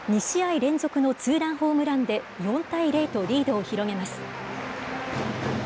２試合連続のツーランホームランで、４対０とリードを広げます。